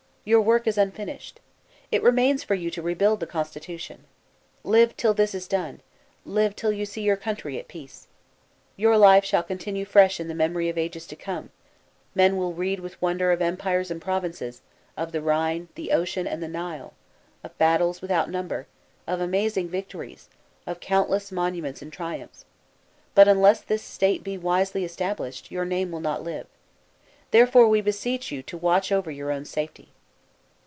Your work is unfinished. It remains for you to rebuild the constitution. Live till this is done. Live till you see your country at peace. Vour life shall continue fresh in the memory of ages to come : men will read with wonder of empire and provinces, of the Rhine, the ocean, and the Nile, of battles without number, of amazing victories, of countless monuments and triumphs ; but unless this State be wisely established, your name will not live. There fore, we beseech you, to watch over your own safety."